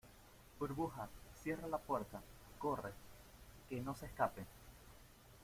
burbuja, cierra la puerta. corre . que no se escape .